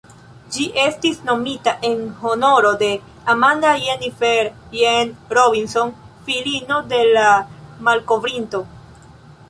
Ĝi estis nomita en honoro de "Amanda Jennifer Jane Robinson", filino de la malkovrinto.